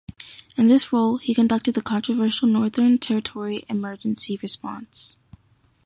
In this role, he conducted the controversial Northern Territory Emergency Response.